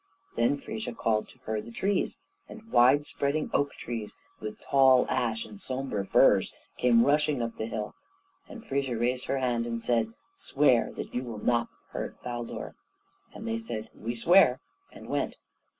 Then Frigga called to her the trees; and wide spreading oak trees, with tall ash and sombre firs, came rushing up the hill, and Frigga raised her hand, and said, "Swear that you will not hurt Baldur"; and they said, "We swear," and went.